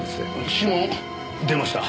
指紋出ました。